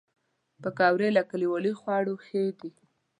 پکورې له کلیوالي خواړو ښې دي